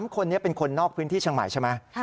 ๓คนนี้เป็นคนนอกพื้นที่เชียงใหม่ใช่ไหม